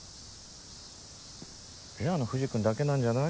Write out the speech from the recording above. ペアの藤君だけなんじゃない？